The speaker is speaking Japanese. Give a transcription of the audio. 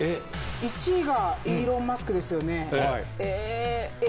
１位がイーロン・マスクですよね。